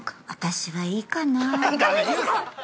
◆私は、いいかなあ。